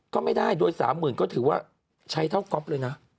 ก็ไม่ได้โดย๓๐๐๐ก็ถือว่าใช้เท่าก๊อฟเลยนะ